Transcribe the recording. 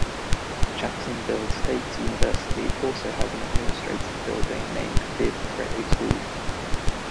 Jacksonville State University also has an administrative building named Bibb Graves Hall.